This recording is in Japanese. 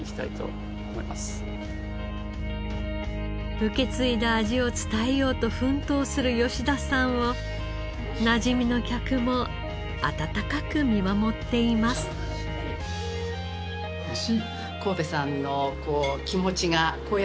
受け継いだ味を伝えようと奮闘する吉田さんをなじみの客も温かく見守っています。と思います。